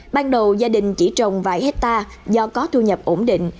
ban đầu gia đình chỉ trồng vài hectare do có thu nhập ổn định